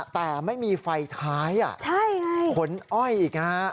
แต่ไม่มีไฟท้ายขนอ้อยอีกฮะ